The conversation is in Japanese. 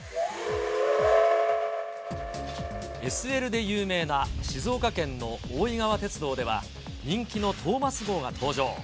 ＳＬで有名な静岡県の大井川鉄道では、人気のトーマス号が登場。